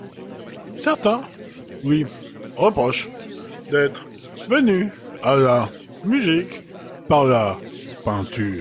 Certains lui reprochent d'être venu à la musique par la peinture.